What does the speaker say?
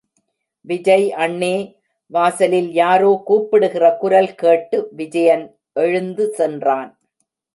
விஜய் அண்ணே! வாசலில் யாரோ கூப்பிடுகிற குரல் கேட்டு விஜயன் எழுந்து சென்றான்.